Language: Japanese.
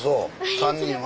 ３人は？